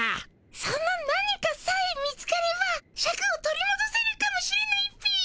その何かさえ見つかればシャクを取りもどせるかもしれないっピ。